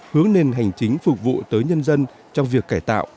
hướng nền hành chính phục vụ tới nhân dân trong việc cải tạo